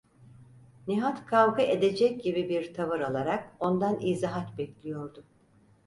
Nihat kavga edecek gibi bir tavır alarak ondan izahat bekliyordu.